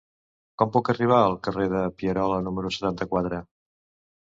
Com puc arribar al carrer de Pierola número setanta-quatre?